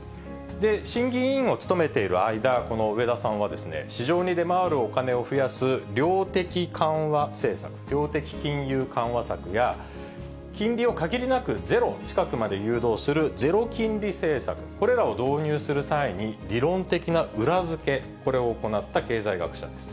審議委員を務めている間、この植田さんは、市場に出回るお金を増やす量的緩和政策、量的金融緩和策や、金利を限りなくゼロ近くまで誘導するゼロ金利政策、これらを導入する際に理論的な裏付け、これを行った経済学者です。